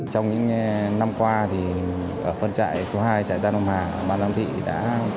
trong những năm qua ở phần trại số hai trại giam nam hà